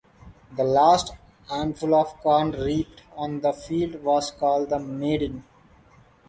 The last handful of corn reaped on the field was called the Maiden.